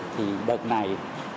thì đợt này